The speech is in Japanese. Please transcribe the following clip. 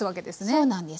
そうなんです。